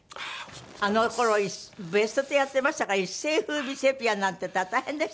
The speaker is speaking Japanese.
あの頃『ベストテン』やってましたから一世風靡セピアなんていったら大変で。